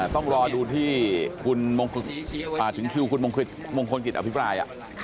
ต้องรอดูที่ถึงคิวคุณมงคลกิจอภิปราย